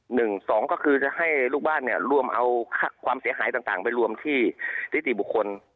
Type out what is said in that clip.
หนึ่งสองก็คือจะให้ลูกบ้านเนี่ยรวมเอาความเสียหายต่างไปรวมที่นิติบุคคล